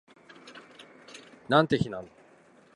なんて日なんだ